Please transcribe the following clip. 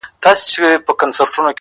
د يوسفي حُسن شروع ته سرگردانه وو؛